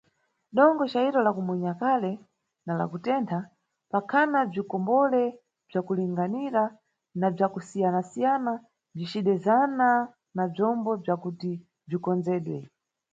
Dongo cayiro, la kumunya kale, na la kutentha, pakhana bzikombole bzakulinganira na bzakusiayana-siyana bzicidezana na bzombo bzakuti bzikonzedwe.